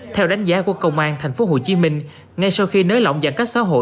theo đánh giá của công an tp hcm ngay sau khi nới lỏng giãn cách xã hội